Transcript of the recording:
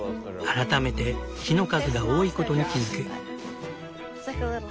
改めて木の数が多いことに気付く。